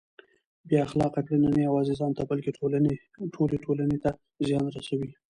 بې اخلاقه کړنې نه یوازې ځان ته بلکه ټولې ټولنې ته زیان رسوي.